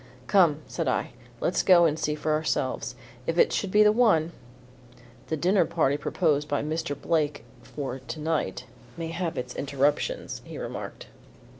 "Come," said I, "let's go and see for ourselves. If it should be the one " "The dinner party proposed by Mr. Blake for to night, may have its interruptions," he remarked.